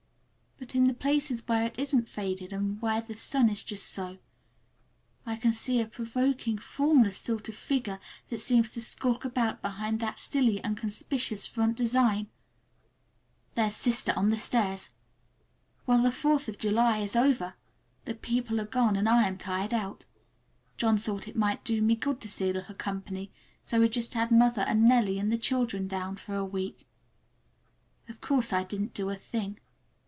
But in the places where it isn't faded, and where the sun is just so, I can see a strange, provoking, formless sort of figure, that seems to sulk about behind that silly and conspicuous front design. There's sister on the stairs! Well, the Fourth of July is over! The people are gone and I am tired out. John thought it might do me good to see a little company, so we just had mother and Nellie and the children down for a week. Of course I didn't do a thing.